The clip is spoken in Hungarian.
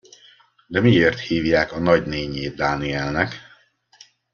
De miért hívják a nagynénjét Dánielnek?